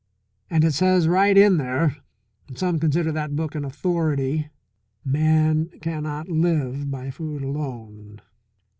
"And it says right in there and some consider that Book an authority man cannot live by food alone.